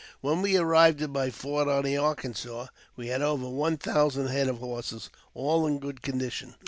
When we arrived at my fort on the Arkansas, we had over one thousand head of horses, all in good condition.